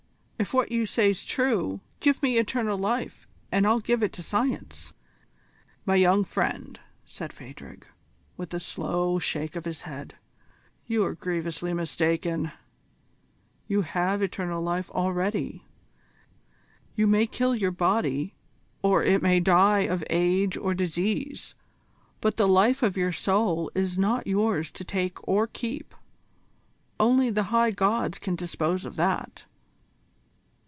If what you say's true, give me eternal life, and I'll give it to Science." "My young friend," said Phadrig, with a slow shake of his head, "you are grievously mistaken. You have eternal life already. You may kill your body, or it may die of age or disease, but the life of your soul is not yours to take or keep. Only the High Gods can dispose of that.